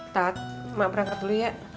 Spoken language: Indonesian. tahat mak perangkat dulu ya